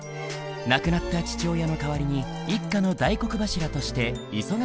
亡くなった父親の代わりに一家の大黒柱として忙しい日々を送っていた。